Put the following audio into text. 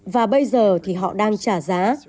và bây giờ thì họ đang trả giá